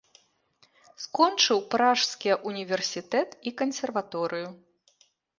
Скончыў пражскія ўніверсітэт і кансерваторыю.